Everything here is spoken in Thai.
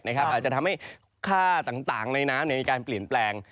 อาจจะทำให้ค่าต่างในน้ำมีการเปลี่ยนแปลง